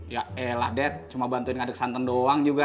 yaelah dad cuma bantuin ngaduk santan doang juga